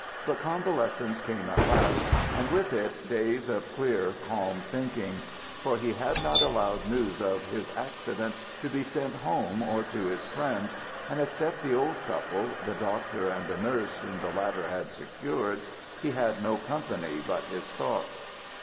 But convalescence came at last, and with it days of clear, calm thinking. For he had not allowed news of his accident to be sent home or to his friends; and except the old couple, the doctor, and the nurse whom the latter had secured, he had no company but his thoughts.